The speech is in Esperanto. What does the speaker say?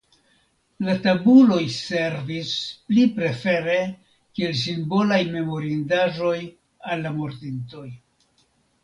La tabuloj servis pli prefere kiel simbolaj memorindaĵoj al la mortintoj.